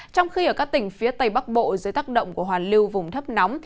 trong khi ở các tỉnh phía tây bắc bộ dưới tác động của hoàn lưu vùng thấp nóng